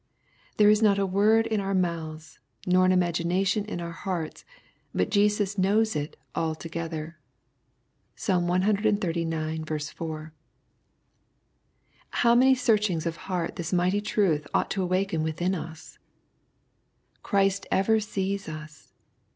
There is not a word in our mouths, nor an imagination in our hearts, but Jesus knows it altogether. (Psalm exxxix. 4.) How many searchings of heart this mighty truth ought to awaken within us I Christ ever sees us